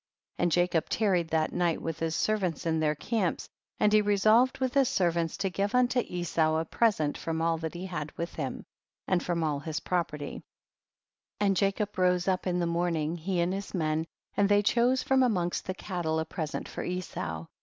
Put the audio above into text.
41. And Jacob tarried that night with his servants in their camps, and he resolved with his servants to give unto Esau a present from all that he had with him, and from all his pro perty ; and Jacob rose up in the morning, he and his men, and they chose from amongst the cattle a pre sent for Esau.